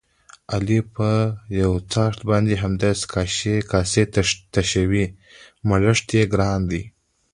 علي په یوڅآښت باندې همداسې کاسې تشوي، مړښت یې ګران کار دی.